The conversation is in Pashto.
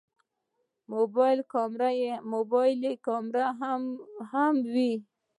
موبایل کې کیمره هم وي.